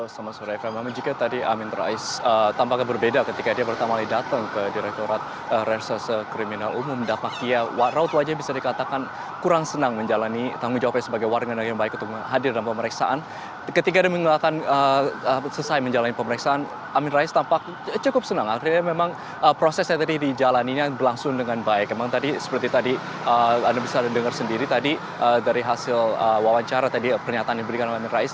saya sudah dengar sendiri tadi dari hasil wawancara tadi pernyataan yang diberikan amin rais